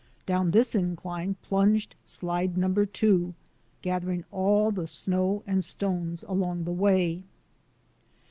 Down this incline plunged slide number two, gathering all the snow and stones along the way.